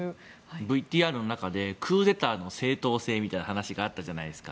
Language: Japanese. ＶＴＲの中でクーデターの正統性みたいな話があったじゃないですか。